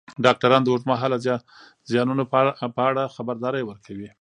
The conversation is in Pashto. ډاکټران د اوږدمهاله زیانونو په اړه خبرداری ورکوي.